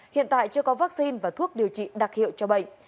hiện tại chưa có vaccine và thuốc điều trị đặc hiệu cho bệnh